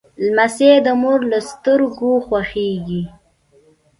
لمسی د مور له سترګو خوښیږي.